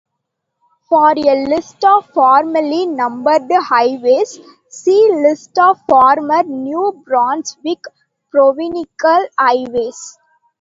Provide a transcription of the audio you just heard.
For a list of formerly-numbered highways, see List of former New Brunswick provincial highways.